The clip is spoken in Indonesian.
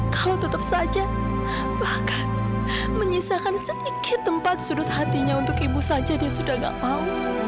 kalau tetap saja bahkan menyisakan sedikit tempat sudut hatinya untuk ibu saja dia sudah gak mau